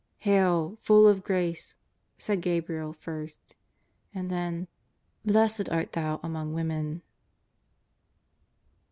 " Hail, full of grace !" said Gabriel first. And then —'' Blessed art thou among women."